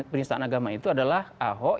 penistaan agama itu adalah ahok